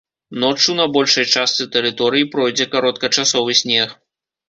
Ноччу на большай частцы тэрыторыі пройдзе кароткачасовы снег.